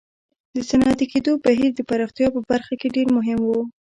د صنعتي کېدو بهیر د پراختیا په برخه کې ډېر مهم و.